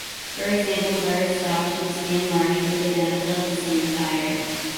For example, Butters Stotch and Stan Marsh look identical with the same attire.